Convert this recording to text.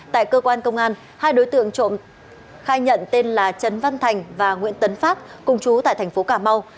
tại cơ quan công an hai đối tượng trộm khai nhận tên là trấn văn thành và nguyễn tấn pháp cùng chú tại tp cà mau